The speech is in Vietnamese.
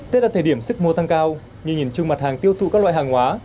tết là thời điểm sức mô tăng cao nhưng nhìn chung mặt hàng tiêu thụ các loại hàng hóa